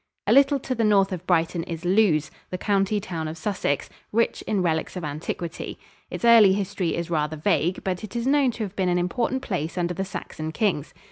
A little to the north of Brighton is Lewes, the county town of Sussex, rich in relics of antiquity. Its early history is rather vague, but it is known to have been an important place under the Saxon kings.